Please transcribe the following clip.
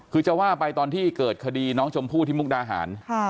คือจะว่าไปตอนที่เกิดคดีน้องชมพู่ที่มุกดาหาร